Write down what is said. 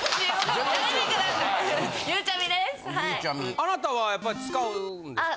あなたはやっぱり使うんですか？